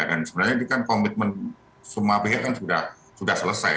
dan sebenarnya ini kan komitmen semua pihak kan sudah selesai